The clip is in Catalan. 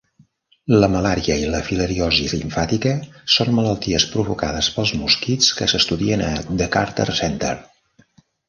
La malària i la filariosi limfàtica són malalties provocades pels mosquits que s"estudien a The Carter Center.